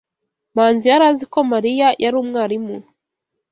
Manzi yari azi ko Mariya yari umwarimu.